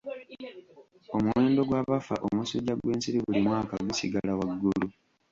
Omuwendo gw'abafa omusujja gw'ensiri buli mwaka gusigala waggulu.